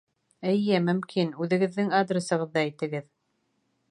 Эйе, мөмкин. Үҙегеҙҙең адресығыҙҙы әйтегеҙ.